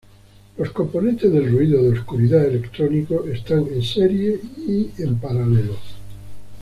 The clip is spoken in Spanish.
Las componentes del ruido de oscuridad electrónico están en serie y en paralelo.